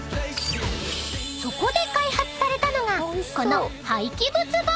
［そこで開発されたのがこの廃棄物ばぁむ］